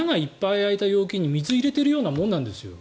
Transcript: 空いた容器に水を入れてるようなものなんですよ。